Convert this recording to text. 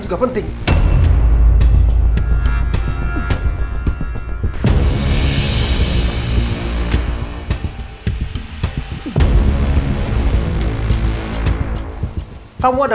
aku mau ketemu dengan anden